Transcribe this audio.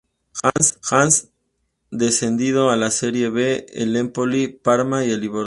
Han descendido a la Serie B el Empoli, Parma y el Livorno.